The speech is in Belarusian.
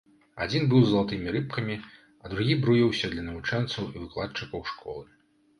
Адзін быў з залатымі рыбкамі, а другі бруіўся для навучэнцаў і выкладчыкаў школы.